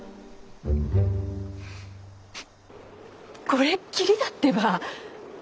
これっきりだってば。